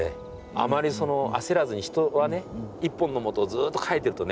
あまりその焦らずに人はね１本のものをずっと描いてるとね